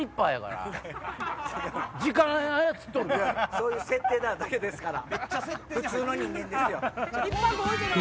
そういう設定なだけですから。